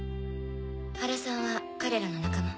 原さんは彼らの仲間？